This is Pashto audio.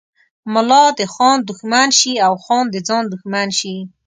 ملا د خان دښمن شي او خان د ځان دښمن شي.